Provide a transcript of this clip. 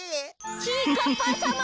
ちぃかっぱさま！